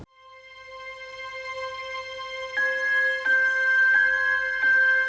sampai jumpa lagi